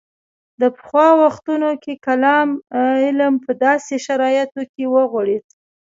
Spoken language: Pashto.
د پخوا وختونو کې کلام علم په داسې شرایطو کې وغوړېد.